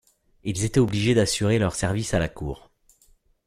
Ils étaient obligés d'assurer leur service à la Cour.